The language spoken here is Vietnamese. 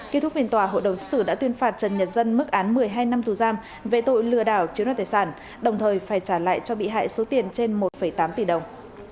kết thúc phiên tòa hội đồng xử đã tuyên phạt trần nhật dân mức án một mươi hai năm tù giam về tội lừa đảo chiếm đoạt tài sản đồng thời phải trả lại cho bị hại số tiền trên một tám tỷ đồng